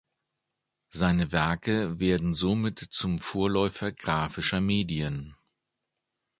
Seine Werke werden somit zum Vorläufer grafischer Medien.